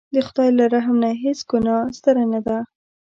د خدای له رحم نه هېڅ ګناه ستره نه ده.